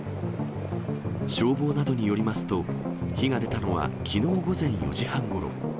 消防などによりますと、火が出たのはきのう午前４時半ごろ。